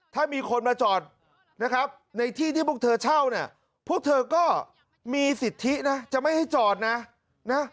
ถ้ามีคนมาจอดนะครับในที่ที่พวกเธอเช่าเนี่ยพวกเธอก็มีสิทธินะจะไม่ให้จอดนะนะ